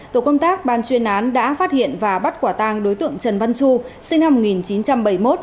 tổ công tác ban chuyên án đã phát hiện và bắt quả tang đối tượng trần văn chu sinh năm một nghìn chín trăm bảy mươi một